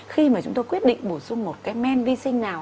khi mà chúng tôi quyết định bổ sung một cái men vi sinh nào